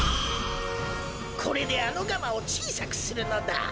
これであのガマをちいさくするのだ。